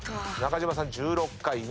中島さん１６回。